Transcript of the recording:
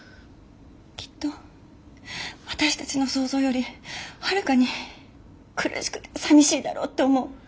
きっと私たちの想像よりはるかに苦しくてさみしいだろうって思う。